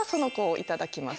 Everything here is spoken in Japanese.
「いただきます！」